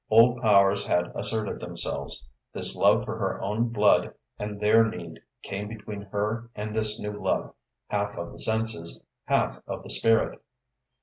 Old powers had asserted themselves. This love for her own blood and their need came between her and this new love, half of the senses, half of the spirit.